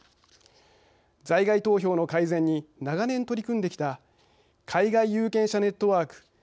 在外投票の改善に長年取り組んできた海外有権者ネットワーク